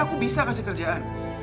aku bisa kasih kerjaan